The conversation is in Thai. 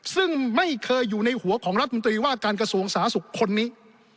ซึ่งไม่เคยอยู่ในหัวของรัฐมนตรีว่าการกระทรวงสาธารณสุขคนนี้